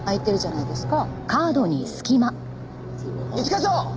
一課長！